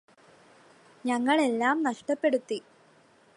ഞങ്ങളെല്ലാം നഷ്ടപ്പെടുത്തി